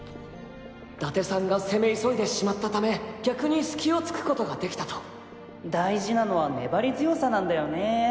伊達さんが攻め急いでしまったため逆にスキをつくことができたと大事なのは粘り強さなんだよ